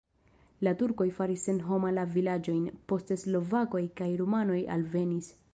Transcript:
La turkoj faris senhoma la vilaĝojn, poste slovakoj kaj rumanoj alvenis.